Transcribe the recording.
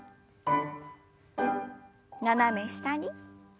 斜め下に。